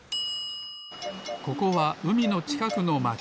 ここはうみのちかくのまち。